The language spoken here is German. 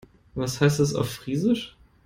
Was heißt das auf Friesisch?